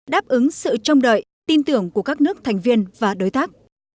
đáp ứng sự trông đợi tin tưởng của các nước thành viên và đối tác